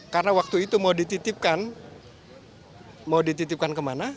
karena waktu itu mau dititipkan mau dititipkan kemana